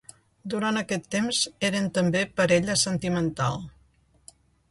Durant aquest temps, eren també parella sentimental.